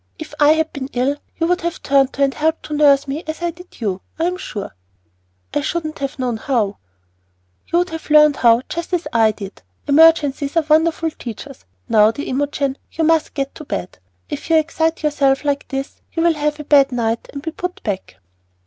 If I had been ill you would have turned to and helped to nurse me as I did you, I am sure." "I shouldn't have known how." "You would have learned how just as I did. Emergencies are wonderful teachers. Now, dear Imogen, you must get to bed. If you excite yourself like this you will have a bad night and be put back."